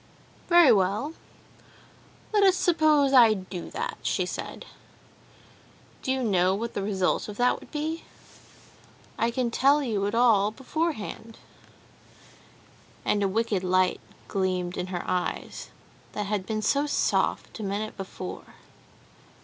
"Very well, let us suppose I do that," she said. "Do you know what the result of that would be? I can tell you it all beforehand," and a wicked light gleamed in her eyes, that had been so soft a minute before.